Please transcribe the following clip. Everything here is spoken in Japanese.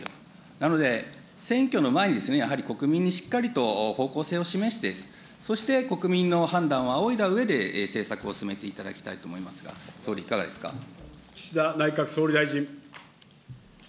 なので、選挙の前にですね、やはり国民にしっかりと方向性を示して、そして国民の判断を仰いだうえで政策を進めていただきたいと思い岸田内閣総理大臣。